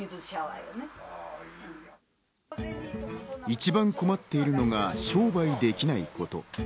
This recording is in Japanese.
一番困っているのが商売できないこと。